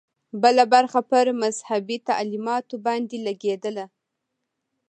بله برخه پر مذهبي تعلیماتو باندې لګېدله.